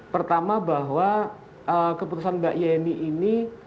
pertama bahwa keputusan mbak yeni ini